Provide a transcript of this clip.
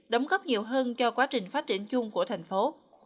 đóng góp nhiều hơn cho quá trình phát triển chung của thành phố